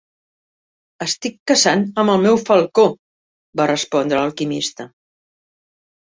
"Estic caçant amb el meu falcó", va respondre l'alquimista.